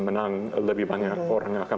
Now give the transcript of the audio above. menang lebih banyak orang yang akan